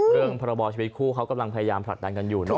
พรบชีวิตคู่เขากำลังพยายามผลักดันกันอยู่เนอ